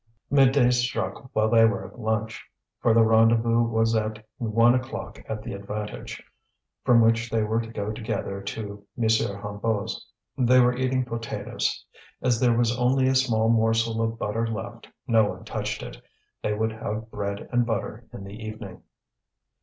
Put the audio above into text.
Midday struck while they were at lunch, for the rendezvous was at one o'clock at the Avantage, from which they were to go together to M. Hennebeau's. They were eating potatoes. As there was only a small morsel of butter left, no one touched it. They would have bread and butter in the evening.